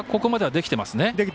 できています。